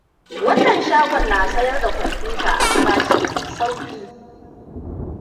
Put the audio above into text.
Wannan shagon na sayar da kwamfuta a farashi mai sauƙi.